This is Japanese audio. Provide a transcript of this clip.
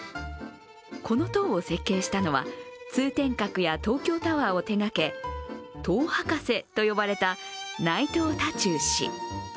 この塔を設計したのは、通天閣や東京タワーを手がけ、塔博士と呼ばれた内藤多仲氏。